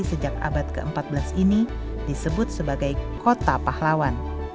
sejak abad ke empat belas ini disebut sebagai kota pahlawan